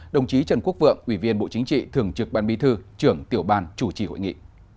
đồng chí trần quốc vượng ủy viên bộ chính trị thường trực ban bí thư trưởng tiểu ban chủ trì hội nghị